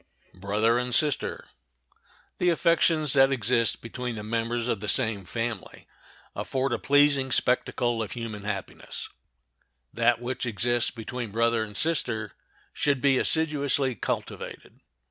] The affections that exist between the members of the same family afford a pleasing spectacle of human happiness. That which exists between brother and sister should be assiduously cultivated.